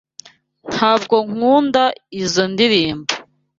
Ntabwo nkunda izoi ndirimbo.